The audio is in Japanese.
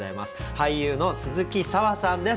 俳優の鈴木砂羽さんです。